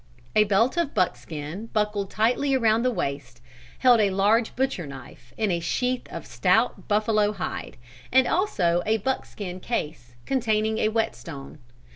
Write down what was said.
A belt of buckskin buckled tightly around the waist, held a large butcher knife in a sheath of stout buffalo hide, and also a buckskin case containing a whet stone.